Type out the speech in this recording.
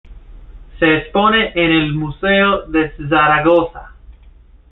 Se expone en el Museo de Zaragoza.